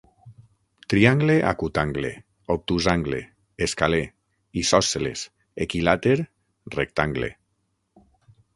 Triangle acutangle, obtusangle, escalè, isòsceles, equilàter, rectangle.